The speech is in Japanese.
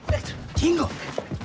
金吾！